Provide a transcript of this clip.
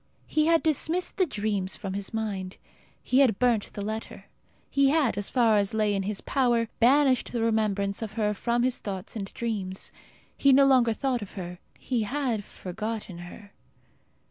He had dismissed the dreams from his mind; he had burnt the letter. He had, as far as lay in his power, banished the remembrance of her from his thoughts and dreams. He no longer thought of her. He had forgotten her....